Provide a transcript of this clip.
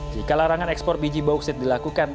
jika larangan ekspor biji bauksit dilakukan